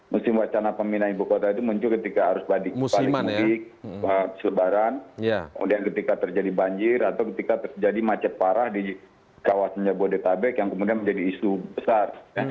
musim wacana pemindahan ibu kota itu muncul ketika arus balik mudik selebaran kemudian ketika terjadi banjir atau ketika terjadi macet parah di kawasan jabodetabek yang kemudian menjadi isu besar